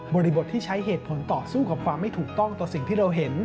บทที่ใช้เหตุผลต่อสู้กับความไม่ถูกต้องต่อสิ่งที่เราเห็น